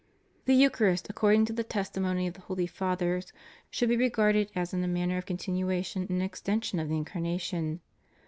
The Eucharist, according to the testimony of the holy Fathers, should be regarded as in a manner a continuation and extension of the Incarnation.